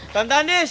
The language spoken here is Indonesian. tante andis mana sih